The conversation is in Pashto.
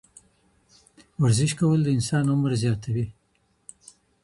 ورزش کول د انسان عمر زیاتوي.